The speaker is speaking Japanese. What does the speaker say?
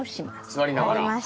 座りながら。